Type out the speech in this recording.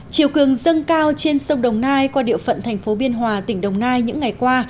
chiều cường dâng cao trên sông đồng nai qua địa phận thành phố biên hòa tỉnh đồng nai những ngày qua